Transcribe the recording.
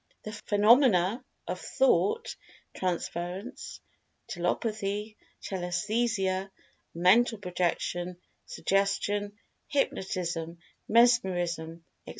The phenomena of Thought Transference; Telepathy; Telesthesia; Mental Projection; Suggestion; Hypnotism, Mesmerism, etc.